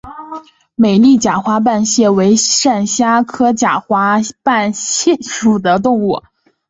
美丽假花瓣蟹为扇蟹科假花瓣蟹属的动物。